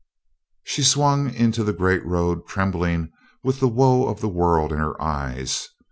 She swung into the great road trembling with the woe of the world in her eyes.